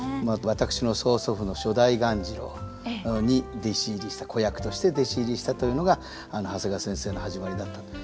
私の曽祖父の初代鴈治郎に弟子入りした子役として弟子入りしたというのが長谷川先生の始まりだったと。